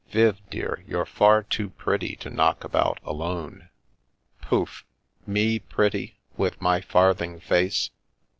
" Viv, dear, you're far too pretty to knock about alone." " Pouf 1 Me pretty, with my farthing face